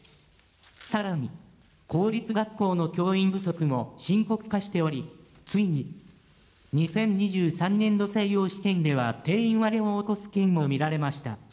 さらに、公立学校の教員不足も深刻化しており、ついに２０２３年度採用試験では定員割れを起こす県も見られました。